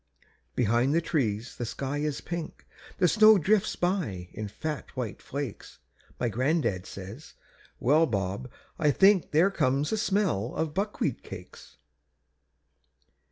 Behind the trees the sky is pink, The snow drifts by in fat white flakes, My gran'dad says: "Well, Bob, I think There comes a smell of buckwheat cakes."